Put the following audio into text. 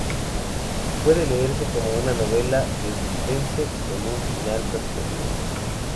Puede leerse como una novela de suspense, con un final sorprendente.